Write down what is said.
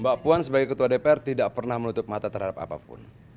mbak puan sebagai ketua dpr tidak pernah menutup mata terhadap apapun